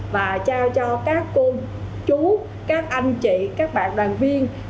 và trao cho các cô chú các anh chị các bạn đoàn viên